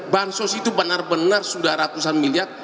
bansos itu benar benar sudah ratusan miliar